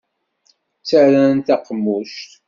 Ttarran taqemmuct.